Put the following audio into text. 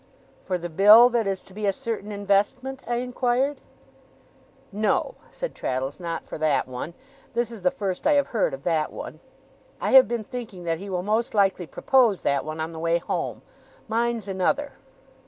'For the bill that is to be a certain investment?' I inquired. 'No,' said Traddles. 'Not for that one. This is the first I have heard of that one. I have been thinking that he will most likely propose that one, on the way home. Mine's another.